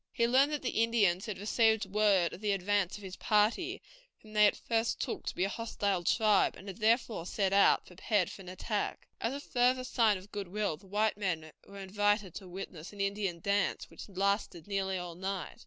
He learned that the Indians had received word of the advance of his party, whom they at first took to be a hostile tribe, and had therefore set out, prepared for an attack. As a further sign of good will, the white men were invited to witness an Indian dance, which lasted nearly all night.